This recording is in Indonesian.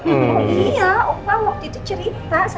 oh iya opah waktu itu cerita sama omah